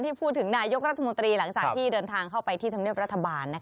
พูดถึงนายกรัฐมนตรีหลังจากที่เดินทางเข้าไปที่ธรรมเนียบรัฐบาล